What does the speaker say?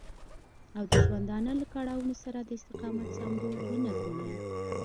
او د ژوندانه له کړاوونو سره د استقامت سمبول ونه ګڼي.